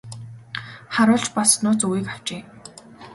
Харуул ч бас нууц үгийг авчээ.